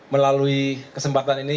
melalui kesempatan ini